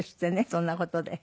そんな事で。